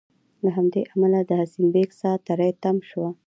له همدې امله د حسین بېګ سا تری تم شوه.